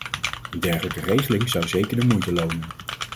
Een dergelijke regeling zou zeker de moeite lonen.